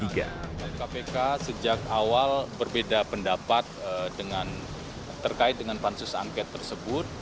kpk sejak awal berbeda pendapat terkait dengan pansus angket tersebut